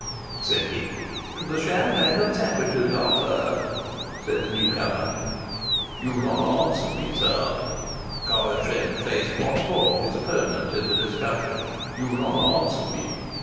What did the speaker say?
said he. "The champagne and sandwiches are served," said the new comer. "You've not answered me, sir," Carlo Trent faced once more his opponent in the discussion. "You've not answered me."